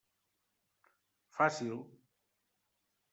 Fàcil.